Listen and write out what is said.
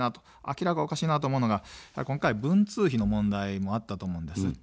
明らかにおかしいなと思うのが今回、文通費の問題もあったと思います。